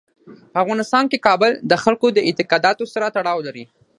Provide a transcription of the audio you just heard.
په افغانستان کې کابل د خلکو د اعتقاداتو سره تړاو لري.